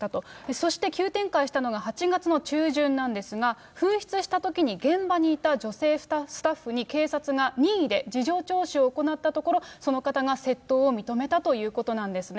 そして急展開したのが８月の中旬なんですが、紛失したときに現場にいた女性スタッフに警察が任意で事情聴取を行ったところ、その方が窃盗を認めたということなんですね。